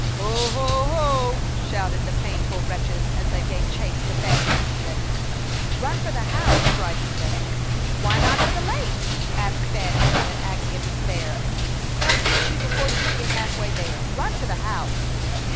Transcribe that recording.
"Ho, ho, ho!" shouted the painted wretches, as they gave chase to Fanny and Ethan. "Run for the house!" cried Ethan. "Why not for the lake?" asked Fanny, in an agony of despair. "They'll ketch you afore you git half way there. Run for the house!"